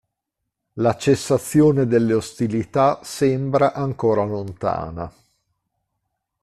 La cessazione delle ostilità sembra ancora lontana.